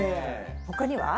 他には？